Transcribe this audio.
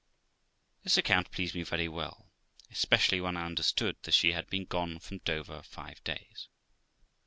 This account pleased me very well, especially when I understood that she had been gone from Dover five days.